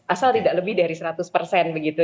asal tidak lebih dari seratus persen begitu